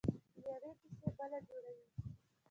له یوې کیسې بله جوړوي.